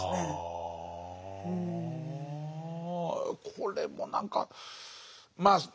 これも何かまあ